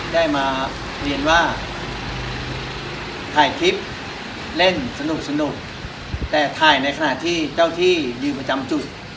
ได้มาเรียนว่าถ่ายคลิปเล่นสนุกสนุกแต่ถ่ายในขณะที่เจ้าที่ยืนประจำจุด